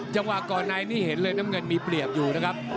จังหวะก่อนในนี่เห็นเลยน้ำเงินมีเปรียบอยู่นะครับ